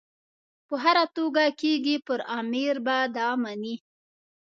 په هره توګه کېږي پر امیر به دا مني.